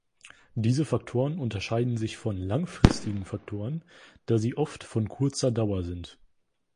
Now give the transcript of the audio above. Diese Faktoren unterscheiden sich von den langfristigen Faktoren, da sie oft von kurzer Dauer sind.